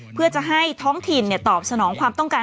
เพื่อจะให้ท้องถิ่นตอบสนองความต้องการ